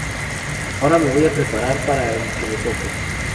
Ahora me voy a preparar para el que me toque.